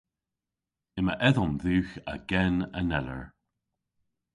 Yma edhom dhywgh a gen aneller.